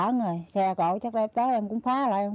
không bao giờ nghĩ luôn không bao giờ nghĩ luôn mà